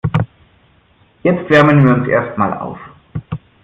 Jetzt wärmen wir uns erstmal auf.